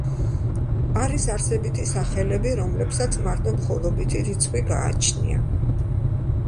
არის არსებითი სახელები, რომლებსაც მარტო მხოლობითი რიცხვი გააჩნია.